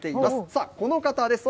さあ、この方です。